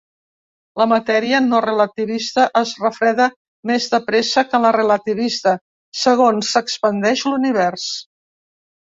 La matèria no relativista es refreda més de pressa que la relativista, segons s'expandeix l'univers.